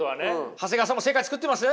長谷川さんも世界つくってます？